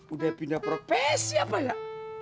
udah pindah profesi apa ya